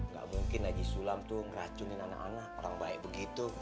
gak mungkin lagi sulam tuh ngeracunin anak anak orang baik begitu